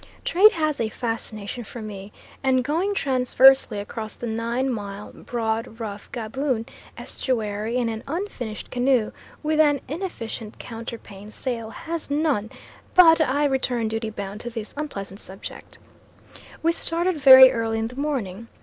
Trade has a fascination for me, and going transversely across the nine mile broad rough Gaboon estuary in an unfinished canoe with an inefficient counterpane sail has none; but I return duty bound to this unpleasant subject. We started very early in the morning.